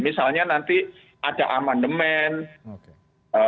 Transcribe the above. misalnya nanti ada amandement